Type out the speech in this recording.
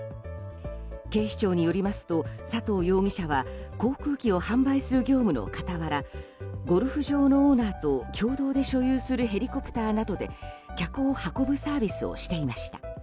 警視庁によりますと佐藤容疑者は航空機を販売する業務の傍らゴルフ場のオーナーと共同で所有するヘリコプターなどで客を運ぶサービスをしていました。